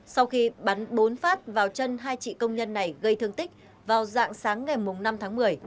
sau khi bắn bốn phát vào chân hai chị công nhân này gây thương tích vào dạng sáng ngày năm tháng một mươi